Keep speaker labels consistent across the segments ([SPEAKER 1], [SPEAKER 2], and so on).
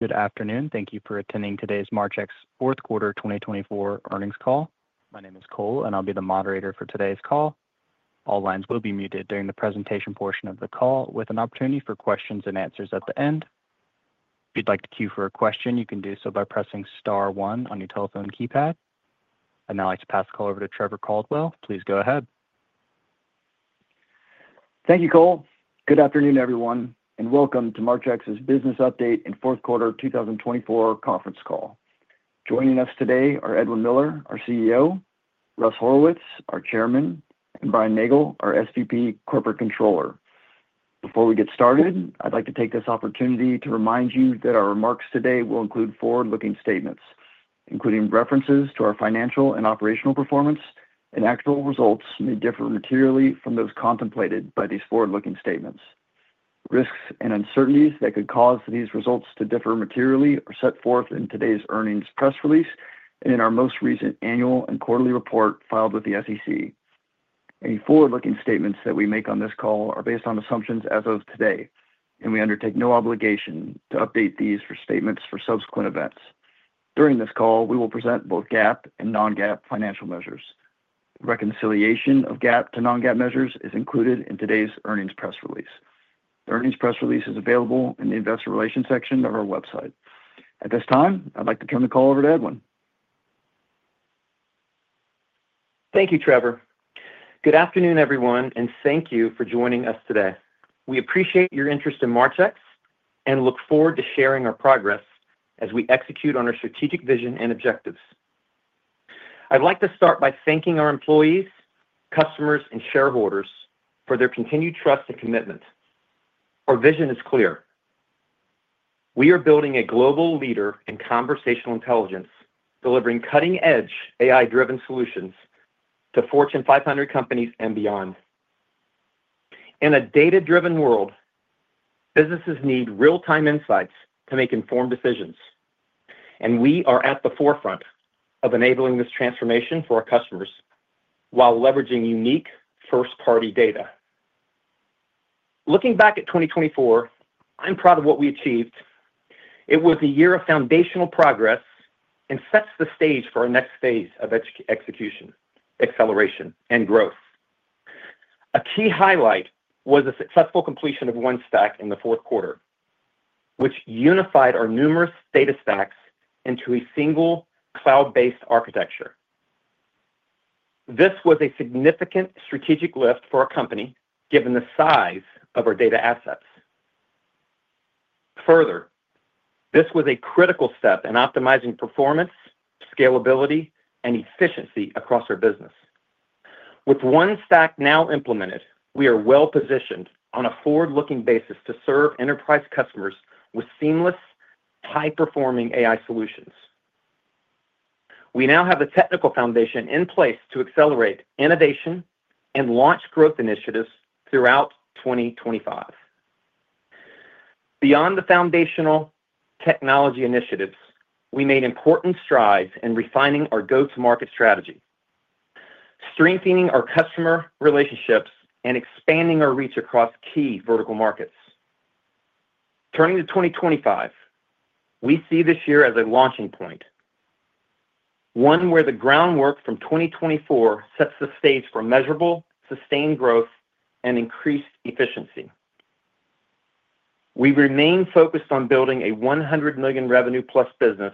[SPEAKER 1] Good afternoon. Thank you for attending today's Marchex Fourth Quarter 2024 earnings call. My name is Cole, and I'll be the moderator for today's call. All lines will be muted during the presentation portion of the call, with an opportunity for questions and answers at the end. If you'd like to queue for a question, you can do so by pressing Star 1 on your telephone keypad. I'd now like to pass the call over to Trevor Caldwell. Please go ahead.
[SPEAKER 2] Thank you, Cole. Good afternoon, everyone, and welcome to Marchex's Business Update and Fourth Quarter 2024 conference call. Joining us today are Edwin Miller, our CEO; Russell Horowitz, our Chairman; and Brian Nagle, our SVP/Corporate Controller. Before we get started, I'd like to take this opportunity to remind you that our remarks today will include forward-looking statements, including references to our financial and operational performance, and actual results may differ materially from those contemplated by these forward-looking statements. Risks and uncertainties that could cause these results to differ materially are set forth in today's earnings press release and in our most recent annual and quarterly report filed with the SEC. Any forward-looking statements that we make on this call are based on assumptions as of today, and we undertake no obligation to update these statements for subsequent events. During this call, we will present both GAAP and non-GAAP financial measures. Reconciliation of GAAP to non-GAAP measures is included in today's earnings press release. The earnings press release is available in the Investor Relations section of our website. At this time, I'd like to turn the call over to Edwin.
[SPEAKER 3] Thank you, Trevor. Good afternoon, everyone, and thank you for joining us today. We appreciate your interest in Marchex and look forward to sharing our progress as we execute on our strategic vision and objectives. I'd like to start by thanking our employees, customers, and shareholders for their continued trust and commitment. Our vision is clear. We are building a global leader in conversational intelligence, delivering cutting-edge AI-driven solutions to Fortune 500 companies and beyond. In a data-driven world, businesses need real-time insights to make informed decisions, and we are at the forefront of enabling this transformation for our customers while leveraging unique first-party data. Looking back at 2024, I'm proud of what we achieved. It was a year of foundational progress and sets the stage for our next phase of execution, acceleration, and growth. A key highlight was the successful completion of One Stack in the fourth quarter, which unified our numerous data stacks into a single cloud-based architecture. This was a significant strategic lift for our company, given the size of our data assets. Further, this was a critical step in optimizing performance, scalability, and efficiency across our business. With One Stack now implemented, we are well-positioned on a forward-looking basis to serve enterprise customers with seamless, high-performing AI solutions. We now have the technical foundation in place to accelerate innovation and launch growth initiatives throughout 2025. Beyond the foundational technology initiatives, we made important strides in refining our go-to-market strategy, strengthening our customer relationships, and expanding our reach across key vertical markets. Turning to 2025, we see this year as a launching point, one where the groundwork from 2024 sets the stage for measurable, sustained growth and increased efficiency. We remain focused on building a $100 million revenue-plus business,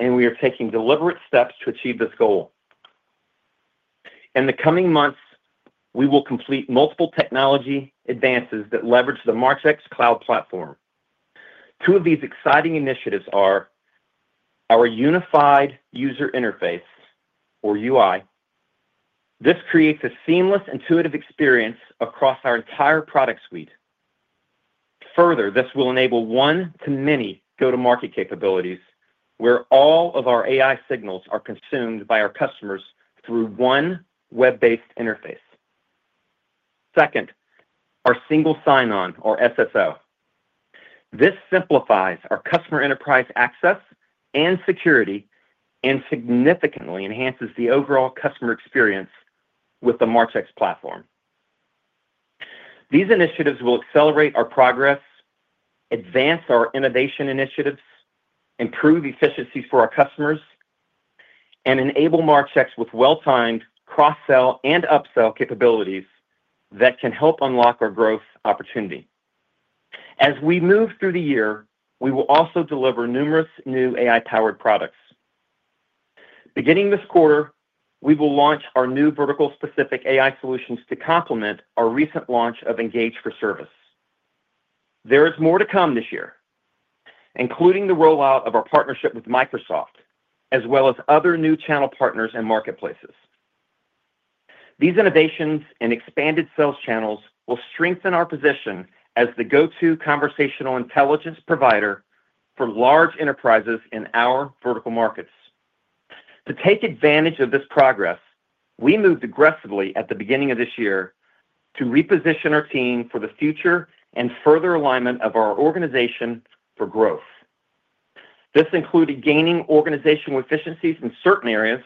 [SPEAKER 3] and we are taking deliberate steps to achieve this goal. In the coming months, we will complete multiple technology advances that leverage the Marchex Cloud Platform. Two of these exciting initiatives are our unified user interface, or UI. This creates a seamless, intuitive experience across our entire product suite. Further, this will enable one-to-many go-to-market capabilities, where all of our AI signals are consumed by our customers through one web-based interface. Second, our single sign-on, or SSO. This simplifies our customer enterprise access and security and significantly enhances the overall customer experience with the Marchex Platform. These initiatives will accelerate our progress, advance our innovation initiatives, improve efficiencies for our customers, and enable Marchex with well-timed cross-sell and up-sell capabilities that can help unlock our growth opportunity. As we move through the year, we will also deliver numerous new AI-powered products. Beginning this quarter, we will launch our new vertical-specific AI solutions to complement our recent launch of Engage for Service. There is more to come this year, including the rollout of our partnership with Microsoft, as well as other new channel partners and marketplaces. These innovations and expanded sales channels will strengthen our position as the go-to conversational intelligence provider for large enterprises in our vertical markets. To take advantage of this progress, we moved aggressively at the beginning of this year to reposition our team for the future and further alignment of our organization for growth. This included gaining organizational efficiencies in certain areas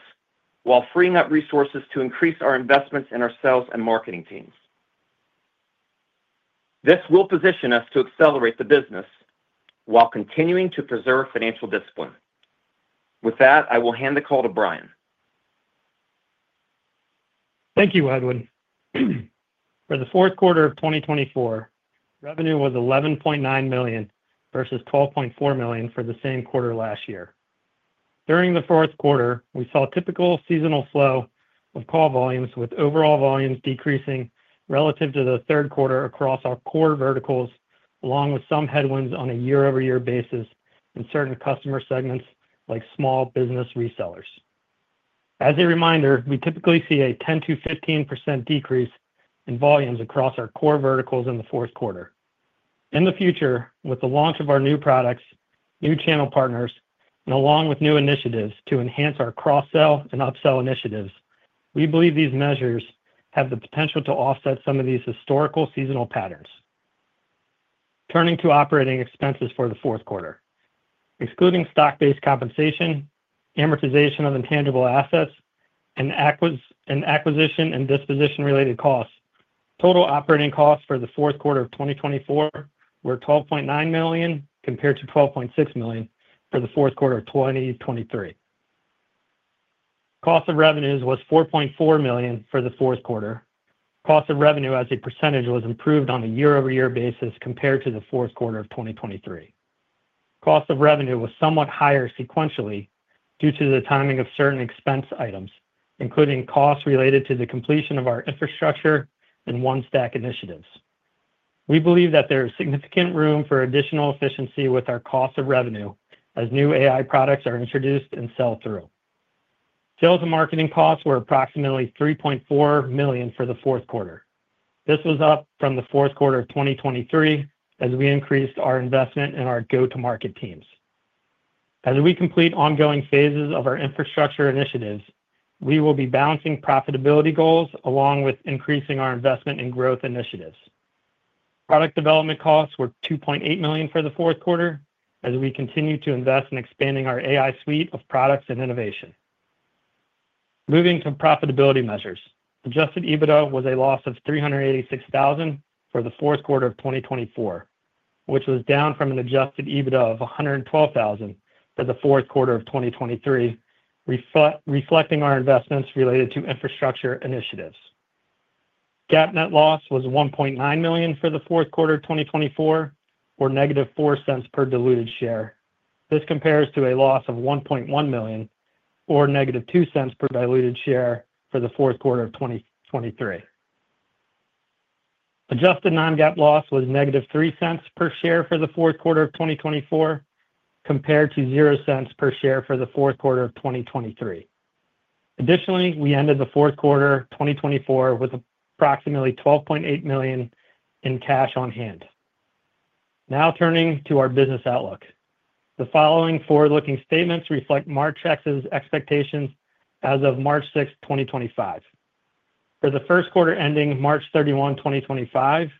[SPEAKER 3] while freeing up resources to increase our investments in our sales and marketing teams. This will position us to accelerate the business while continuing to preserve financial discipline. With that, I will hand the call to Brian.
[SPEAKER 4] Thank you, Edwin. For the fourth quarter of 2024, revenue was $11.9 million versus $12.4 million for the same quarter last year. During the fourth quarter, we saw typical seasonal flow of call volumes, with overall volumes decreasing relative to the third quarter across our core verticals, along with some headwinds on a year-over-year basis in certain customer segments like small business resellers. As a reminder, we typically see a 10%-15% decrease in volumes across our core verticals in the fourth quarter. In the future, with the launch of our new products, new channel partners, and along with new initiatives to enhance our cross-sell and up-sell initiatives, we believe these measures have the potential to offset some of these historical seasonal patterns. Turning to operating expenses for the fourth quarter, excluding stock-based compensation, amortization of intangible assets, and acquisition and disposition-related costs, total operating costs for the fourth quarter of 2024 were $12.9 million compared to $12.6 million for the fourth quarter of 2023. Cost of revenues was $4.4 million for the fourth quarter. Cost of revenue as a percentage was improved on a year-over-year basis compared to the fourth quarter of 2023. Cost of revenue was somewhat higher sequentially due to the timing of certain expense items, including costs related to the completion of our infrastructure and One Stack initiatives. We believe that there is significant room for additional efficiency with our cost of revenue as new AI products are introduced and sell through. Sales and marketing costs were approximately $3.4 million for the fourth quarter. This was up from the fourth quarter of 2023 as we increased our investment in our go-to-market teams. As we complete ongoing phases of our infrastructure initiatives, we will be balancing profitability goals along with increasing our investment in growth initiatives. Product development costs were $2.8 million for the fourth quarter as we continue to invest in expanding our AI suite of products and innovation. Moving to profitability measures, adjusted EBITDA was a loss of $386,000 for the fourth quarter of 2024, which was down from an adjusted EBITDA of $112,000 for the fourth quarter of 2023, reflecting our investments related to infrastructure initiatives. GAAP net loss was $1.9 million for the fourth quarter of 2024, or negative $0.04 per diluted share. This compares to a loss of $1.1 million or negative $0.02 per diluted share for the fourth quarter of 2023. Adjusted non-GAAP loss was negative $0.03 per share for the fourth quarter of 2024, compared to $0.00 per share for the fourth quarter of 2023. Additionally, we ended the fourth quarter of 2024 with approximately $12.8 million in cash on hand. Now turning to our business outlook, the following forward-looking statements reflect Marchex's expectations as of March 6, 2025. For the first quarter ending March 31, 2025,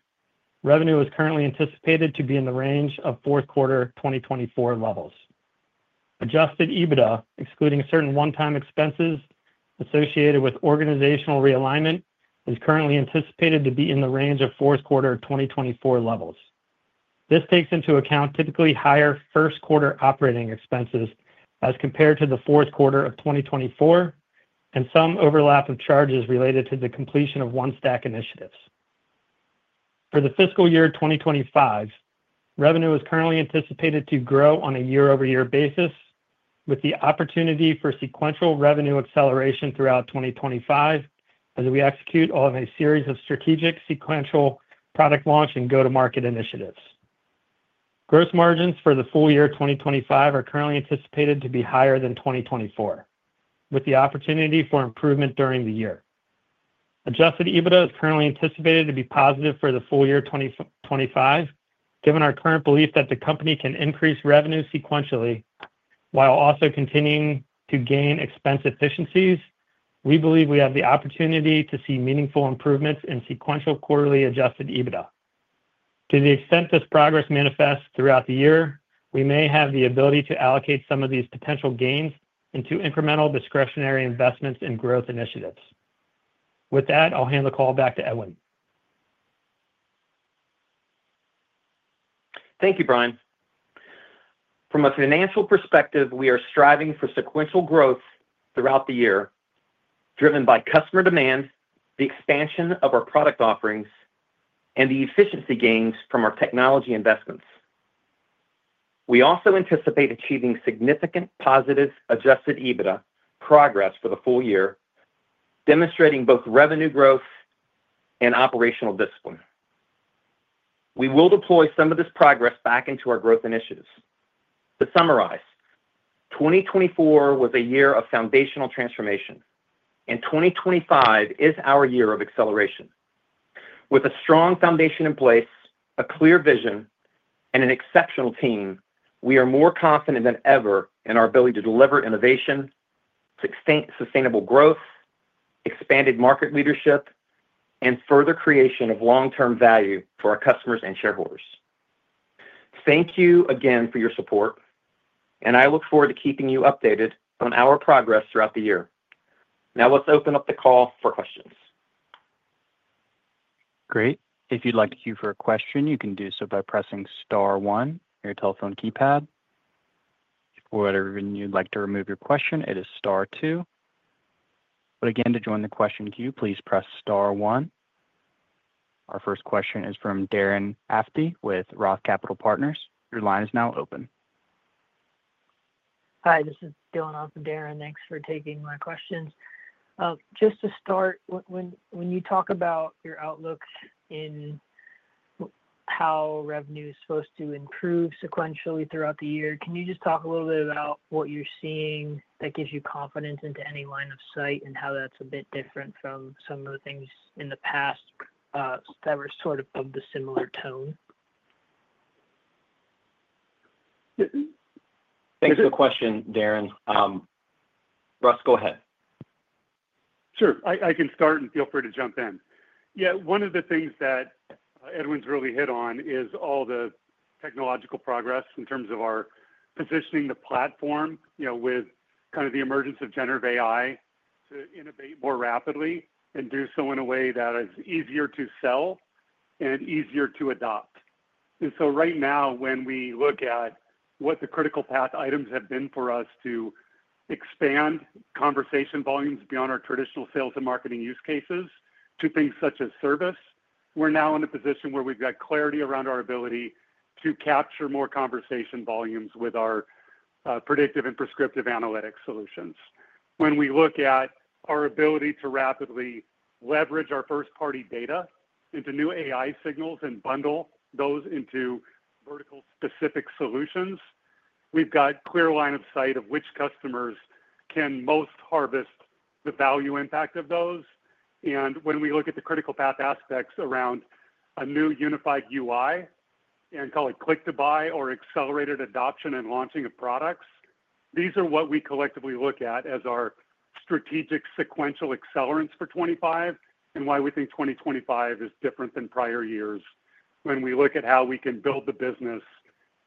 [SPEAKER 4] revenue is currently anticipated to be in the range of fourth quarter 2024 levels. Adjusted EBITDA, excluding certain one-time expenses associated with organizational realignment, is currently anticipated to be in the range of fourth quarter 2024 levels. This takes into account typically higher first quarter operating expenses as compared to the fourth quarter of 2024 and some overlap of charges related to the completion of One Stack initiatives. For the fiscal year 2025, revenue is currently anticipated to grow on a year-over-year basis, with the opportunity for sequential revenue acceleration throughout 2025 as we execute on a series of strategic sequential product launch and go-to-market initiatives. Gross margins for the full year 2025 are currently anticipated to be higher than 2024, with the opportunity for improvement during the year. Adjusted EBITDA is currently anticipated to be positive for the full year 2025. Given our current belief that the company can increase revenue sequentially while also continuing to gain expense efficiencies, we believe we have the opportunity to see meaningful improvements in sequential quarterly adjusted EBITDA. To the extent this progress manifests throughout the year, we may have the ability to allocate some of these potential gains into incremental discretionary investments and growth initiatives. With that, I'll hand the call back to Edwin.
[SPEAKER 3] Thank you, Brian. From a financial perspective, we are striving for sequential growth throughout the year, driven by customer demand, the expansion of our product offerings, and the efficiency gains from our technology investments. We also anticipate achieving significant positive adjusted EBITDA progress for the full year, demonstrating both revenue growth and operational discipline. We will deploy some of this progress back into our growth initiatives. To summarize, 2024 was a year of foundational transformation, and 2025 is our year of acceleration. With a strong foundation in place, a clear vision, and an exceptional team, we are more confident than ever in our ability to deliver innovation, sustainable growth, expanded market leadership, and further creation of long-term value for our customers and shareholders. Thank you again for your support, and I look forward to keeping you updated on our progress throughout the year. Now let's open up the call for questions.
[SPEAKER 5] Great. If you'd like to queue for a question, you can do so by pressing Star 1 on your telephone keypad. If you'd like to remove your question, it is Star 2. To join the question queue, please press Star 1. Our first question is from Darren Aftahi with Roth Capital Partners. Your line is now open.
[SPEAKER 6] Hi, this is Dillon off of Darren. Thanks for taking my questions. Just to start, when you talk about your outlooks in how revenue is supposed to improve sequentially throughout the year, can you just talk a little bit about what you're seeing that gives you confidence into any line of sight and how that's a bit different from some of the things in the past that were sort of of the similar tone?
[SPEAKER 3] Thanks for the question, Darren. Russ, go ahead.
[SPEAKER 7] Sure. I can start and feel free to jump in. Yeah, one of the things that Edwin's really hit on is all the technological progress in terms of our positioning the platform with kind of the emergence of generative AI to innovate more rapidly and do so in a way that is easier to sell and easier to adopt. Right now, when we look at what the critical path items have been for us to expand conversation volumes beyond our traditional sales and marketing use cases to things such as service, we're now in a position where we've got clarity around our ability to capture more conversation volumes with our predictive and prescriptive analytics solutions. When we look at our ability to rapidly leverage our first-party data into new AI signals and bundle those into vertical-specific solutions, we've got a clear line of sight of which customers can most harvest the value impact of those. When we look at the critical path aspects around a new unified UI and call it click-to-buy or accelerated adoption and launching of products, these are what we collectively look at as our strategic sequential accelerants for 2025 and why we think 2025 is different than prior years when we look at how we can build the business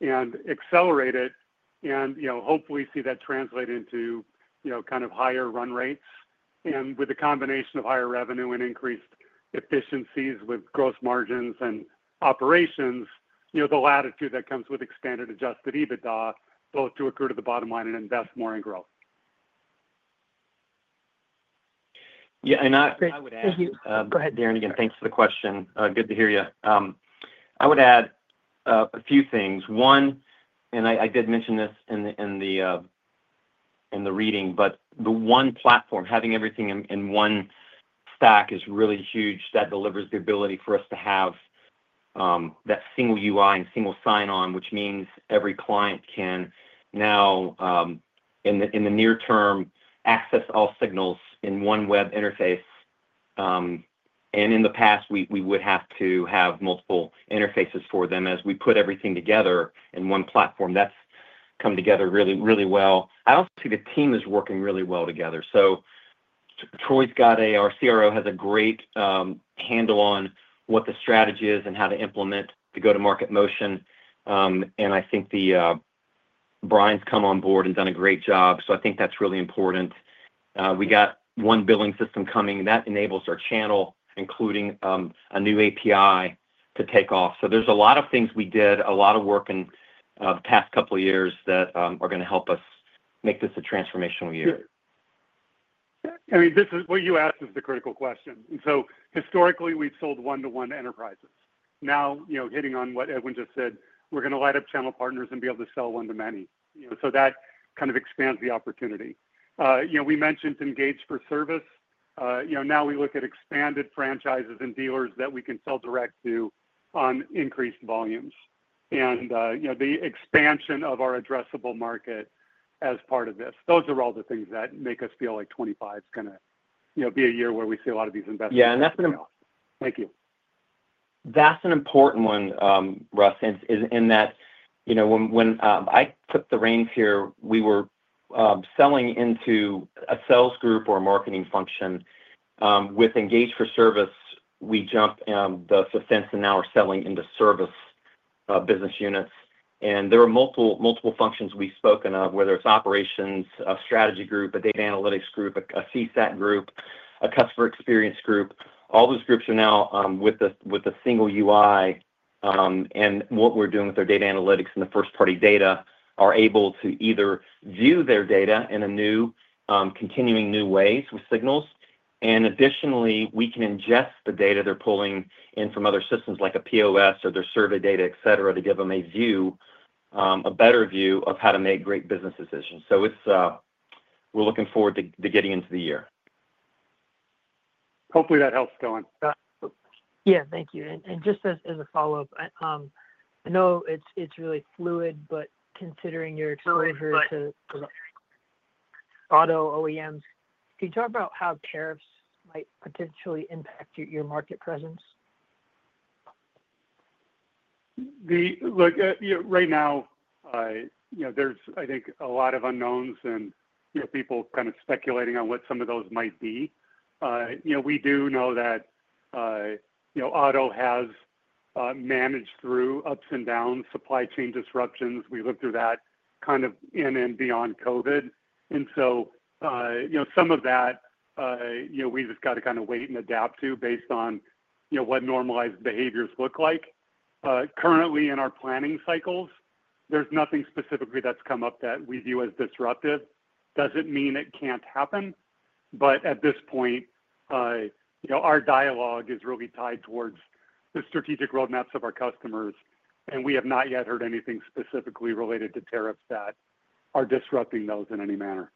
[SPEAKER 7] and accelerate it and hopefully see that translate into kind of higher run rates. With the combination of higher revenue and increased efficiencies with gross margins and operations, the latitude that comes with expanded adjusted EBITDA both to accrue to the bottom line and invest more in growth.
[SPEAKER 3] Yeah, I would add. Thank you. Go ahead, Darren. Again, thanks for the question. Good to hear you. I would add a few things. One, and I did mention this in the reading, but the one platform, having everything in One Stack, is really huge. That delivers the ability for us to have that single UI and single sign-on, which means every client can now, in the near term, access all signals in one web interface. In the past, we would have to have multiple interfaces for them. As we put everything together in one platform, that's come together really well. I also see the team is working really well together. Troy Scott, our CRO, has a great handle on what the strategy is and how to implement the go-to-market motion. I think Brian's come on board and done a great job. I think that's really important. We got one billing system coming. That enables our channel, including a new API, to take off. There are a lot of things we did, a lot of work in the past couple of years that are going to help us make this a transformational year.
[SPEAKER 7] Sure. I mean, what you asked is the critical question. Historically, we've sold one-to-one to enterprises. Now, hitting on what Edwin just said, we're going to light up channel partners and be able to sell one-to-many. That kind of expands the opportunity. We mentioned Engage for Service. Now we look at expanded franchises and dealers that we can sell direct to on increased volumes and the expansion of our addressable market as part of this. Those are all the things that make us feel like 2025 is going to be a year where we see a lot of these investments.
[SPEAKER 3] Yeah, and that's an.
[SPEAKER 7] Thank you.
[SPEAKER 3] That's an important one, Russ, in that when I took the reins here, we were selling into a sales group or a marketing function. With Engage for Service, we jumped the fence and now are selling into service business units. There are multiple functions we've spoken of, whether it's operations, a strategy group, a data analytics group, a CSAT group, a customer experience group. All those groups are now with a single UI. What we're doing with our data analytics and the first-party data are able to either view their data in continuing new ways with signals. Additionally, we can ingest the data they're pulling in from other systems like a POS or their survey data, etc., to give them a better view of how to make great business decisions. We are looking forward to getting into the year.
[SPEAKER 7] Hopefully, that helps, Dylan.
[SPEAKER 6] Yeah, thank you. Just as a follow-up, I know it's really fluid, but considering your exposure to auto OEMs, can you talk about how tariffs might potentially impact your market presence?
[SPEAKER 7] Look, right now, there's, I think, a lot of unknowns and people kind of speculating on what some of those might be. We do know that auto has managed through ups and downs, supply chain disruptions. We've lived through that kind of in and beyond COVID. Some of that, we've just got to kind of wait and adapt to based on what normalized behaviors look like. Currently, in our planning cycles, there's nothing specifically that's come up that we view as disruptive. Doesn't mean it can't happen. At this point, our dialogue is really tied towards the strategic roadmaps of our customers. We have not yet heard anything specifically related to tariffs that are disrupting those in any manner.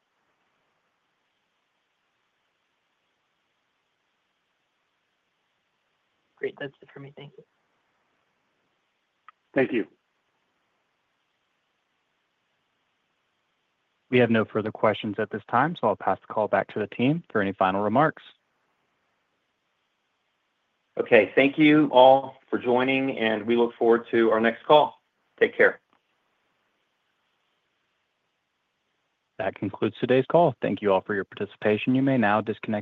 [SPEAKER 6] Great. That's it for me. Thank you.
[SPEAKER 3] Thank you.
[SPEAKER 5] We have no further questions at this time, so I'll pass the call back to the team for any final remarks.
[SPEAKER 3] Okay. Thank you all for joining, and we look forward to our next call. Take care.
[SPEAKER 5] That concludes today's call. Thank you all for your participation. You may now disconnect.